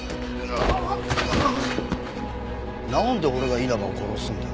なんで俺が稲葉を殺すんだ。